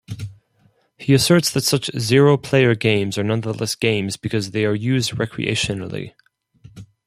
He asserts that such zero-player games are nonetheless games because they are used recreationally.